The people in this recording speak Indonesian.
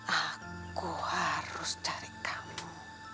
aku harus dari kamu